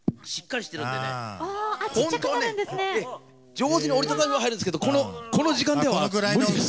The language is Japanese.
上手に折り畳めば入るんですけどこの時間では無理です。